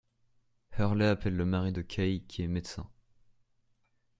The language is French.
Hurley appelle le mari de Kay qui est médecin.